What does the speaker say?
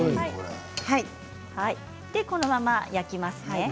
このまま焼きます。